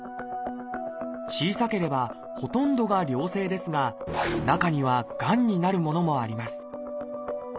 小さければほとんどが良性ですが中にはがんになるものもあります